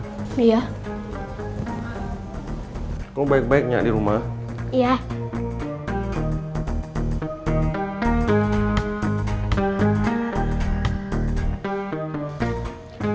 hai kau baik baiknya di rumah ya